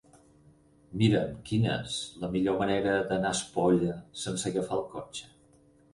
Mira'm quina és la millor manera d'anar a Espolla sense agafar el cotxe.